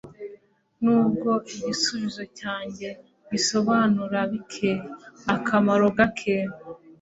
nubwo igisubizo cyacyo gisobanura bike - akamaro gake